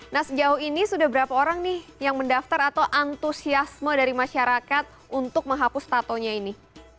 nah sejauh ini sudah berapa orang nih yang mendaftar atau antusiasme dari masyarakat untuk menghapus tatonya ini